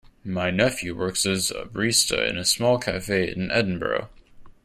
My nephew works as a barista in a small cafe in Edinburgh.